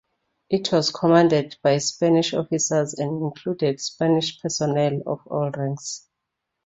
It was commanded by Spanish officers and included Spanish personnel of all ranks.